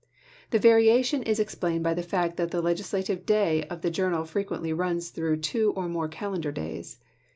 The variation is ex plained by the fact that the legislative day of the journal frequently runs through two or more cal endar days.